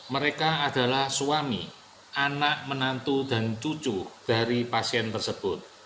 mereka adalah suami anak menantu dan cucu dari pasien tersebut